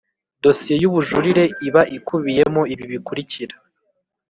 Dosiye y ubujurire iba ikubiyemo ibi bikurikira